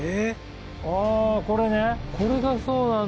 あこれね。